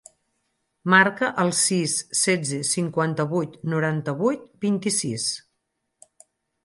Marca el sis, setze, cinquanta-vuit, noranta-vuit, vint-i-sis.